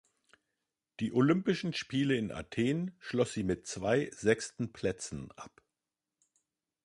Die Olympischen Spiele in Athen schloss sie mit zwei sechsten Plätzen ab.